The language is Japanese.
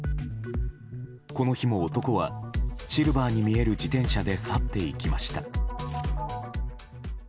この日も男はシルバーに見える自転車で去っていきました。